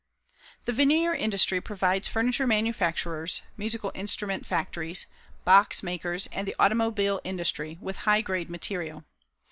The veneer industry provides furniture manufacturers, musical instrument factories, box makers and the automobile industry with high grade material.